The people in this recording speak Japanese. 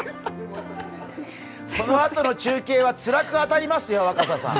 そのあとの中継はつらく当たりますよ、若狭さん。